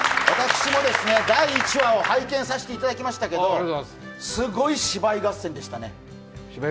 私も第１話を拝見させていただきましたけどすごい芝居合戦でしたね。